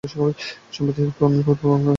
সম্প্রতি আমি পূর্ববাঙলা ও আসাম পরিভ্রমণ করছিলাম।